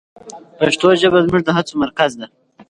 پښتو ژبه زموږ د هڅو مرکز ده.